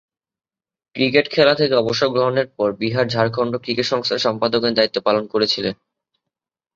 Cricket খেলা থেকে অবসর গ্রহণের পর বিহার ঝাড়খণ্ড ক্রিকেট সংস্থার সম্পাদকের দায়িত্ব পালন করেছিলেন।